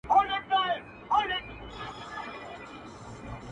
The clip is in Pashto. o سترگه وره انجلۍ بيا راته راگوري.